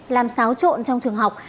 làm xáo trộn trong trường học